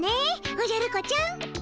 おじゃる子ちゃん。